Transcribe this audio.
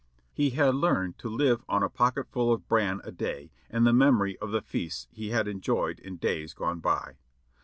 He had learned to live on a pocketful of bran a day and the memory of the feasts he had enjoyed in days gone by.